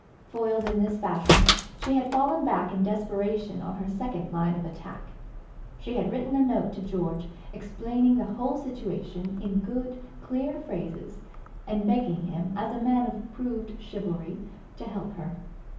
Foiled in this fashion, she had fallen back in desperation on her second line of attack. She had written a note to George, explaining the whole situation in good, clear phrases and begging him as a man of proved chivalry to help her.